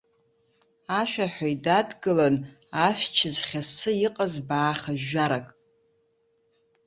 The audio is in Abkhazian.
Ашәаҳәаҩ дадгылан ашәч зхьыссы иҟаз баа хыжәжәарак.